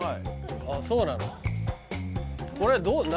あっそうなの？